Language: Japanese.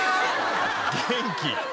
元気！